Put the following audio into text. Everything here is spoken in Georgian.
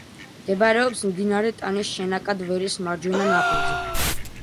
მდებარეობს მდინარე ტანის შენაკად ვერის მარჯვენა ნაპირზე.